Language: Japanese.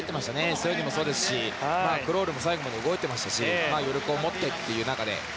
背泳ぎもそうですし、クロールも最後まで動けてましたし余力を持ってという中で。